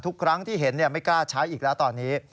ทุกครั้งที่เห็นไม่กล้าใช้อีกแล้วตอนนี้